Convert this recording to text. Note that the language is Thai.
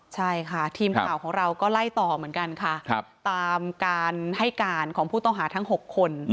ใช่ค่ะทีมข่าวของเราก็ไล่ต่อเหมือนกันค่ะตามการให้การของผู้ต้องหาทั้ง๖คน